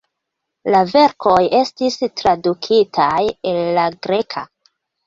La verkoj estis tradukitaj el la greka.